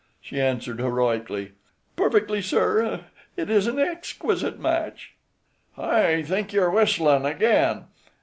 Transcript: She answered, heroically: "Perfectly, sir. It is an exquisite match." "I think you're whistlin' again.